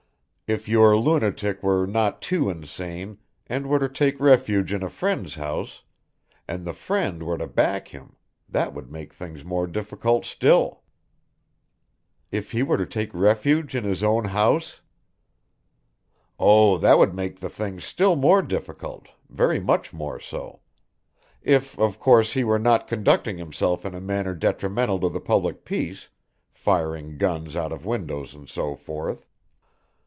If your lunatic were not too insane, and were to take refuge in a friend's house, and the friend were to back him, that would make things more difficult still." "If he were to take refuge in his own house?" "Oh, that would make the thing still more difficult, very much more so. If, of course, he were not conducting himself in a manner detrimental to the public peace, firing guns out of windows and so forth.